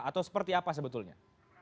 atau seperti apa sebetulnya